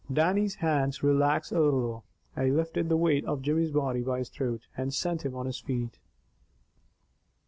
Dannie's hands relaxed a little, he lifted the weight of Jimmy's body by his throat, and set him on his feet.